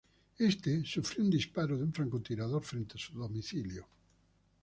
Este sufrió un disparo de un francotirador frente a su domicilio.